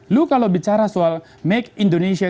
lu kalau bicara soal make indonesia